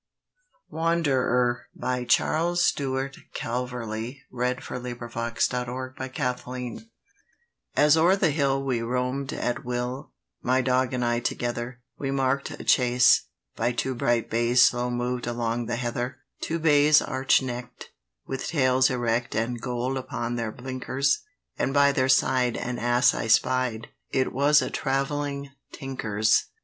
Never, somehow, could I seem to cotton To another as I did to you! WANDERERS. AS o'er the hill we roam'd at will, My dog and I together, We mark'd a chaise, by two bright bays Slow moved along the heather: Two bays arch neck'd, with tails erect And gold upon their blinkers; And by their side an ass I spied; It was a travelling tinker's.